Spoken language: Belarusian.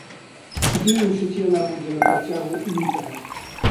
Дзейнічаць яна будзе на працягу лютага.